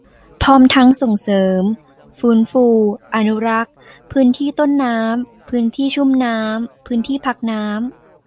พร้อมทั้งส่งเสริม ฟื้นฟู อนุรักษ์ พื้นที่ต้นน้ำ พื้นที่ชุ่มน้ำ พื้นที่พักน้ำ